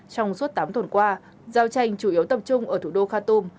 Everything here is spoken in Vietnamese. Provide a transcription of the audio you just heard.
trong suốt tám tuần qua giao tranh chủ yếu tập trung ở thủ đô khatom